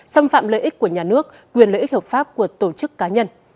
xâm phạm lợi ích của nhà nước quyền lợi ích hợp pháp của tổ chức cá nhân